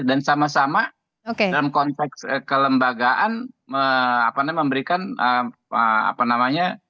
dan sama sama dalam konteks kelembagaan apa namanya memberikan apa namanya